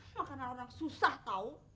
makanan orang susah tau